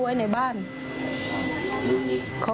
ใช่คือที่น้องเล่า